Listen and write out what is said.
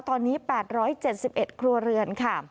ตอนนี้๘๗๑ครัวเรือนค่ะ